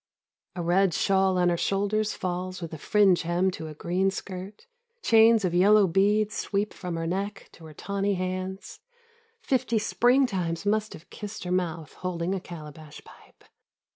A red shawl on her shoulders falls with a fringe hem to a green skirt; Chains of yellow beads sweep from her neck to her tawny hands. Fifty springtimes must have kissed her mouth holding a calabash pipe.